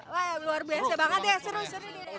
wah luar biasa banget ya seru seru